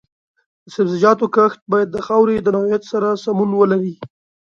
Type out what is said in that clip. د سبزیجاتو کښت باید د خاورې د نوعیت سره سمون ولري.